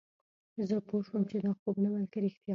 زه پوه شوم چې دا خوب نه بلکې رښتیا وه